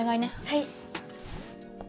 はい。